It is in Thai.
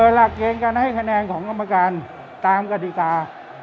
หลักเกณฑ์การให้คะแนนของกรรมการตามกฎิกา